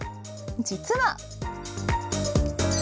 実は。